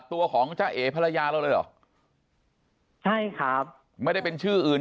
ตัวของจ้าเอ๋ภรรยาเราเลยเหรอใช่ครับไม่ได้เป็นชื่ออื่น